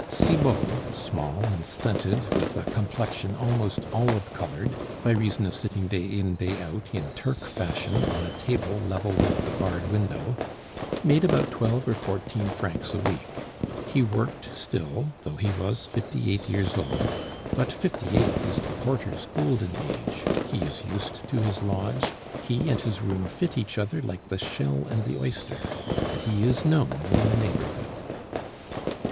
Cibot, small and stunted, with a complexion almost olive colored by reason of sitting day in day out in Turk fashion on a table level with the barred window, made about twelve or fourteen francs a week. He worked still, though he was fifty eight years old, but fifty eight is the porter's golden age; he is used to his lodge, he and his room fit each other like the shell and the oyster, and "he is known in the neighborhood."